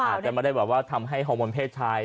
อาจจะไม่ได้แบบว่าทำให้ฮอร์โมนเพศชาย